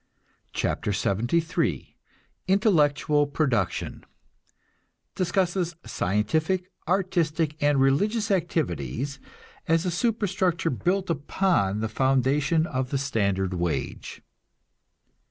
CHAPTER LXXIII INTELLECTUAL PRODUCTION (Discusses scientific, artistic and religious activities, as a superstructure built upon the foundation of the standard wage.)